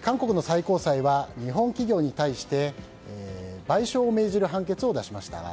韓国の最高裁は日本企業に対して賠償を命じる判決を出しました。